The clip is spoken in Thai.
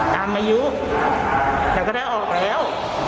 อายุแล้วก็ได้ออกแล้ว